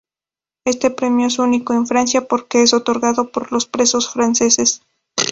Este premio es único en Francia porque es otorgado por los presos franceses.